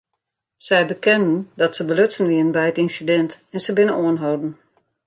Sy bekenden dat se belutsen wiene by it ynsidint en se binne oanholden.